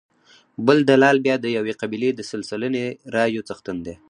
بل دلال بیا د یوې قبیلې د سل سلنې رایو څښتن دی.